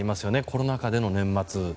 コロナ禍での年末。